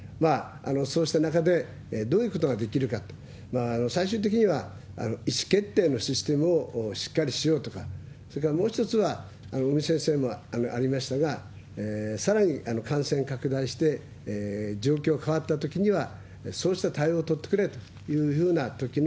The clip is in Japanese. そうした中で、どういうことができるかと、最終的には意思決定のシステムをしっかりしようとか、それからもう一つは、尾身先生もありましたが、さらに感染拡大して状況変わったときには、そうした対応を取ってくれというふうなときも、